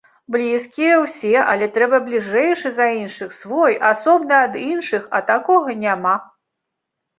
Блізкія ўсе, але трэба бліжэйшы за іншых, свой, асобны ад іншых, а такога няма.